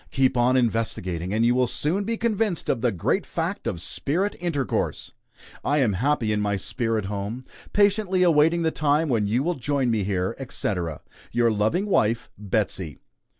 Keep on investigating, and you will soon be convinced of the great fact of spirit intercourse. I am happy in my spirit home; patiently awaiting the time when you will join me here, etc. Your loving wife, BETSEY."